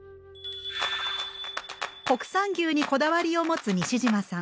国産牛にこだわりを持つ西島さん。